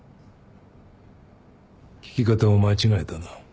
聞き方を間違えたな。